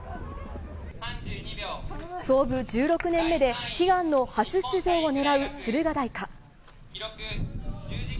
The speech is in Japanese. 創部１６年目で悲願の初出場を狙う駿河台か。